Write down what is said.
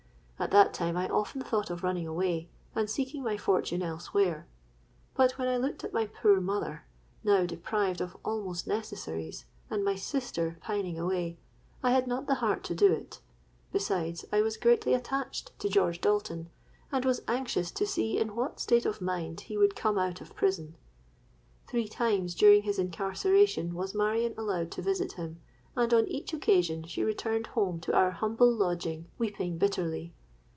At that time I often thought of running away, and seeking my fortune elsewhere; but when I looked at my poor mother, now deprived of almost necessaries, and my sister pining away, I had not the heart to do it. Besides, I was greatly attached to George Dalton, and was anxious to see in what state of mind he would come out of prison. Three times during his incarceration was Marion allowed to visit him; and on each occasion she returned home to our humble lodging weeping bitterly.